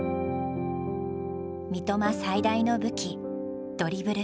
三笘最大の武器ドリブル。